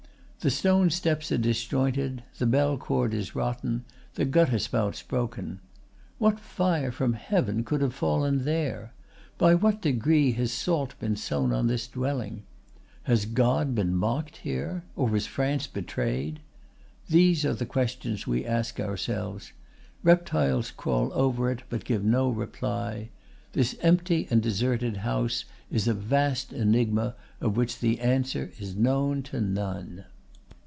The stone steps are disjointed; the bell cord is rotten; the gutter spouts broken. What fire from heaven could have fallen there? By what decree has salt been sown on this dwelling? Has God been mocked here? Or was France betrayed? These are the questions we ask ourselves. Reptiles crawl over it, but give no reply. This empty and deserted house is a vast enigma of which the answer is known to none.